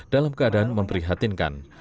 dalam keadaan memprihatinkan